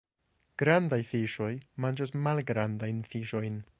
Grandaj fiŝoj manĝas malgrandajn fiŝojn.